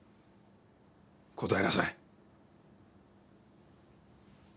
答えなさい。